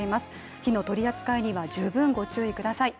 火の取り扱いには十分ご注意ください。